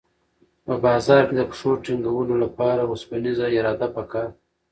په بازار کې د پښو ټینګولو لپاره اوسپنیزه اراده پکار ده.